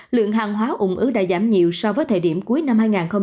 lượng hàng hóa ủng ứng đã giảm nhiều so với thời điểm cuối năm hai nghìn hai mươi một